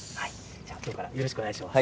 じゃあ今日からよろしくお願いします。